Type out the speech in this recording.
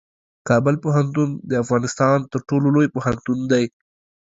کابل پوهنتون د افغانستان تر ټولو لوی پوهنتون دی.